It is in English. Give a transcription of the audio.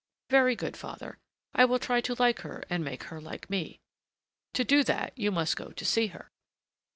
"Very good, father. I will try to like her and make her like me." "To do that you must go to see her."